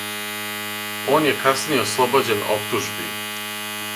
Он је касније ослобођен оптужби.